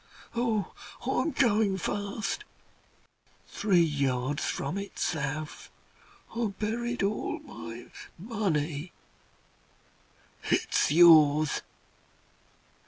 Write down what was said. Oh! I'm going fast. Three yards from it south I buried all my money; it's yours.